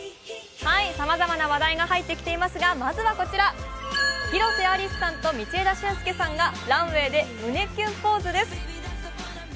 さまざまな話題が入ってきていますがまずはこちら、広瀬アリスさんと道枝駿佑さんがランウェイで胸キュンポーズです。